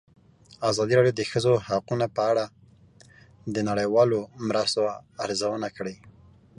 ازادي راډیو د د ښځو حقونه په اړه د نړیوالو مرستو ارزونه کړې.